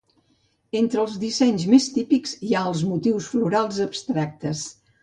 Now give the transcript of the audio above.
Entre els dissenys més típics hi ha els motius florals abstractes.